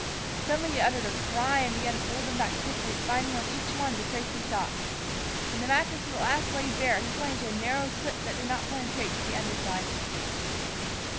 Suddenly he uttered a cry and began to fold them back swiftly, finding on each the trace he sought. When the mattress was at last laid bare, he pointed to a narrow slit that did not penetrate to the under side.